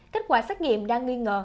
kết quả xét nghiệm đang nghi ngờ